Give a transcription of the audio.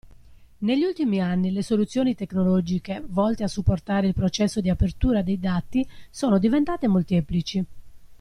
Negli ultimi anni le soluzioni tecnologiche volte a supportare il processo di apertura dei dati sono diventate molteplici.